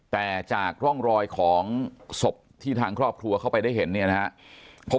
แต่จากร่องรอยของศพที่ทางครอบครัวเข้าไปได้เห็นเนี่ยนะครับ